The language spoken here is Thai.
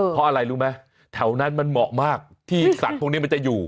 เพราะอะไรรู้ไหมแถวนั้นมันเหมาะมากที่สัตว์พวกนี้มันจะอยู่